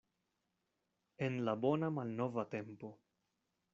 En la bona malnova tempo.